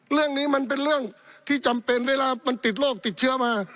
เรื่องนี้มันเป็นเรื่องที่จำเป็นเวลามันติดโรคติดเชื้อมา